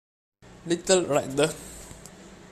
Little Red